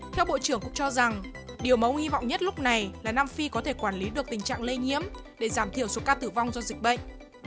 theo bộ trưởng cũng cho rằng điều mẫu hy vọng nhất lúc này là nam phi có thể quản lý được tình trạng lây nhiễm để giảm thiểu số ca tử vong do dịch bệnh